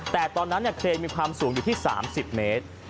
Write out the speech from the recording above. แต่ตอนนั้นเครนมีความสูงอยู่ที่๓๐เมตร